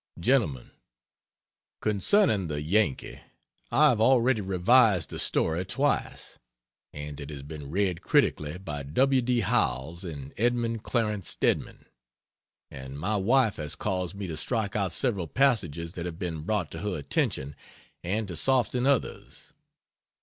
GENTLEMEN, Concerning The Yankee, I have already revised the story twice; and it has been read critically by W. D. Howells and Edmund Clarence Stedman, and my wife has caused me to strike out several passages that have been brought to her attention, and to soften others.